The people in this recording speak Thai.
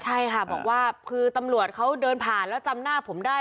ใช่ค่ะบอกว่าคือตำรวจเขาเดินผ่านแล้วจำหน้าผมได้